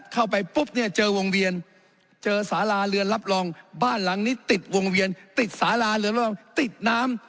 เข้าไปปุ๊บเนี่ยเจอวงเวียนเจอสาราเรือนรับรองบ้านหลังนี้ติดวงเวียนติดสาราเรือนรองติดน้ำ